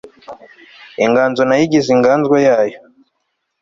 inganzo nayigize inganzwa yayo